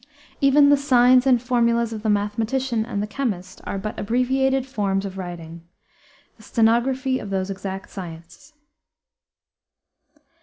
Even the signs and formulas of the mathematician and the chemist are but abbreviated forms of writing the stenography of those exact sciences.